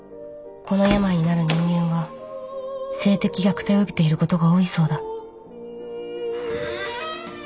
この病になる人間は性的虐待を受けていることが多いそうだ。